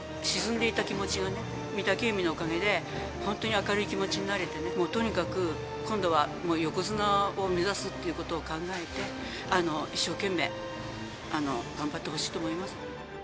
沈んでいた気持ちがね、御嶽海のおかげで、本当に明るい気持ちになれてね、もうとにかく、今度は横綱を目指すということを考えて、一生懸命頑張ってほしいと思います。